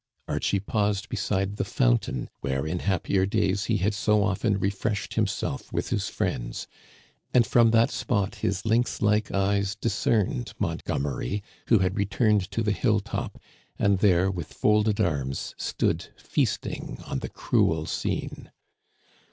Archie paused beside the fountain where in happier days he had so often refreshed himself with his friends ; and from that spot his lynx like eyes discerned Montgomery, who had returned to the hill top, and there with folded arms stood feasting on the cruel scene.